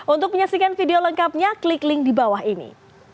untuk menyaksikan video lengkapnya klik link di bawah ini